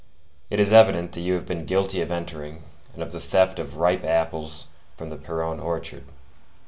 It is evident that you have been guilty of entering, and of the theft of ripe apples from the Pierron orchard.